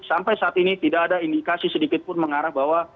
sampai saat ini tidak ada indikasi sedikit pun mengarah bahwa